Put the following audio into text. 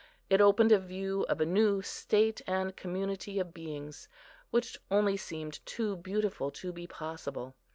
It opened a view of a new state and community of beings, which only seemed too beautiful to be possible.